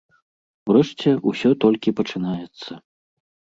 Урэшце, усё толькі пачынаецца!